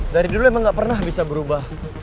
dari dulu emang gak pernah bisa berubah